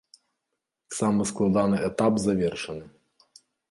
Самы складаны этап завершаны.